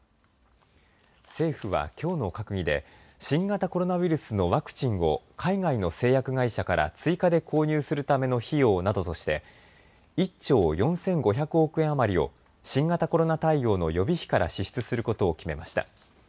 政府はきょうの閣議で新型コロナウイルスのワクチンを海外の製薬会社から追加で購入するための費用などとして１兆４５００億円余りを新型コロナ対応の予備費から支出することを決めました。